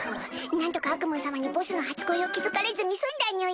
なんとかアクムー様にボスの初恋を気付かれずに済んだにゅい。